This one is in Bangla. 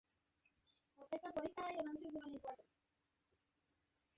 সকলেই আগাগোড়া বিশেষ মনোযোগের সহিত তাঁহার কথা শুনেন।